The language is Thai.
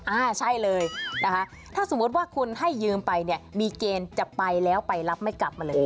อ่าใช่เลยนะคะถ้าสมมุติว่าคุณให้ยืมไปเนี่ยมีเกณฑ์จะไปแล้วไปรับไม่กลับมาเลย